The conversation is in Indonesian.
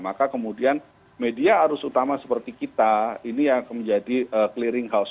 maka kemudian media arus utama seperti kita ini yang menjadi clearing house